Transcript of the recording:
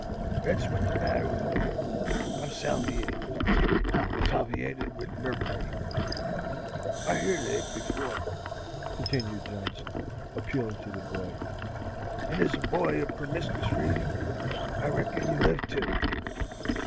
That's what's the matter with me. I'm salviated! Salviated with merkery. "I've heerd o' it before," continued Johnson, appealing to the boy, "and ez a boy o' permiskus reading, I reckon you hev too.